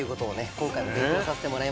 今回は勉強させてもらいました。